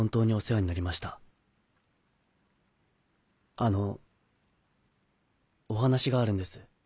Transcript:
あのお話があるんです。